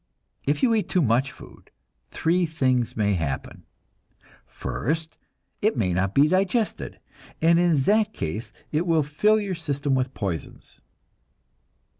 If you eat too much food, three things may happen. First, it may not be digested, and in that case it will fill your system with poisons.